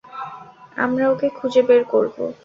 আমরা ওকে খুঁজে বের করবো।